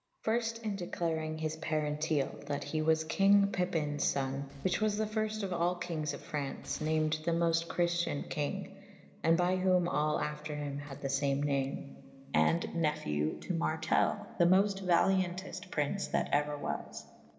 Fyrft in declarynge his parentel / that he was kynge Pipines fone / whiche was the fyrfte of all kynges of Fraunce named the mofte chryften kynge / and by whome all after hym had the fame name /and Nephiew to Martell / the moft valiau«teft prince that euer was.